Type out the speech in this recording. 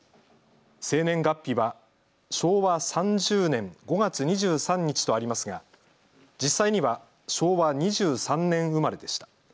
生年月日は昭和３０年５月２３日とありますが実際には昭和２３年生まれでした。